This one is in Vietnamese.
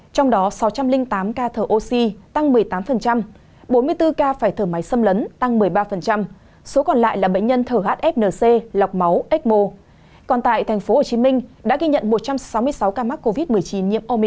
trong đó có hơn một trăm hai mươi một ca điều trị tại nhà và tám trăm năm mươi ba ca điều trị tại khu cách ly